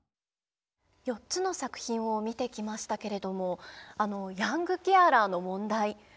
４つの作品を見てきましたけれどもヤングケアラーの問題。